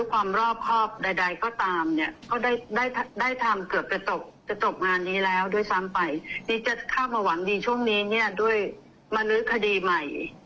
ความดีช่วงนี้เนี่ยด้วยมานึกคดีใหม่